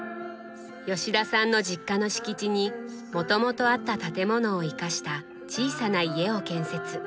吉田さんの実家の敷地にもともとあった建物を生かした小さな家を建設。